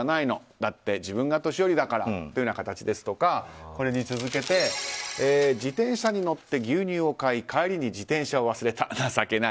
だって自分が年寄りだからという形ですとかこれに続けて自転車に乗って牛乳を買い帰りに自転車を忘れた情けない。